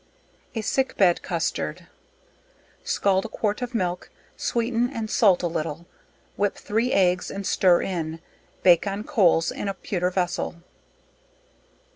A Sick Bed Custard. Scald a quart milk, sweeten and salt a little, whip 3 eggs and stir in, bake on coals in a pewter vessel.